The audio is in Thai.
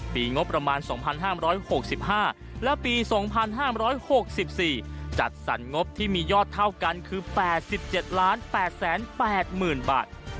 ปีงบประมาณ๒๕๖๕และปี๒๕๖๔จัดสรรงบที่มียอดเท่ากันคือ๘๗๘๘๐๐๐บาท